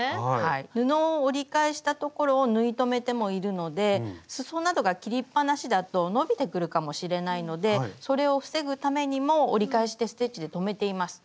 布を折り返したところを縫い留めてもいるのですそなどが切りっぱなしだと伸びてくるかもしれないのでそれを防ぐためにも折り返してステッチで留めています。